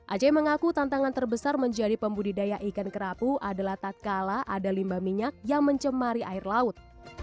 aceh mengaku tantangan terbesar menjadi pembudidaya ikan kerapu adalah tak kala ada limba minyak yang mencemari air laut